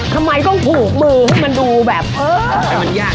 ทำไมต้องภูกมือให้มันยาก